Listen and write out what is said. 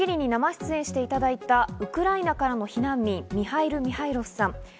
一昨日『スッキリ』に生出演していただいたウクライナからの避難民、ミハイル・ミハイロフさん。